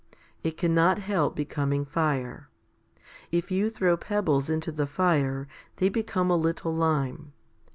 It cannot help becoming fire. If you throw pebbles into the fire, they become a little lime.